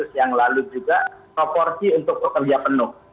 yang lalu juga proporsi untuk pekerja penuh